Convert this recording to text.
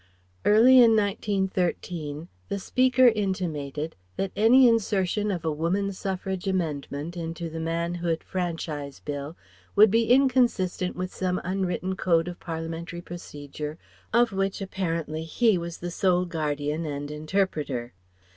Early in 1913, the Speaker intimated that any insertion of a Woman Suffrage Amendment into the Manhood Franchise Bill would be inconsistent with some unwritten code of Parliamentary procedure of which apparently he was the sole guardian and interpreter.